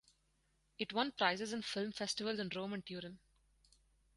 It won prizes in film festivals in Rome and Turin.